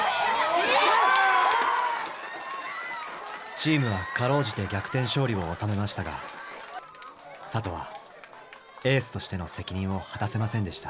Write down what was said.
チームは辛うじて逆転勝利を収めましたが里はエースとしての責任を果たせませんでした。